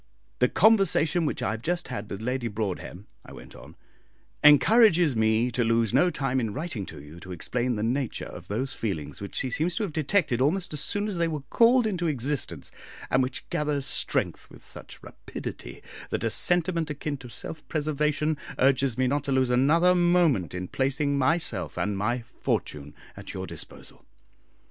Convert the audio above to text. "The conversation which I have just had with Lady Broadhem," I went on, "encourages me to lose no time in writing to you to explain the nature of those feelings which she seems to have detected almost as soon as they were called into existence, and which gather strength with such rapidity that a sentiment akin to self preservation urges me not to lose another moment in placing myself and my fortune at your disposal.